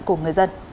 cho người dân